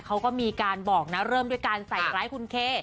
เขาก็มีการบอกนะเริ่มด้วยการใส่ร้ายคุณเค